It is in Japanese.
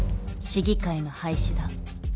市議会の廃止だ。